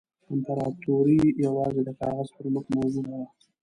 امپراطوري یوازې د کاغذ پر مخ موجوده وه.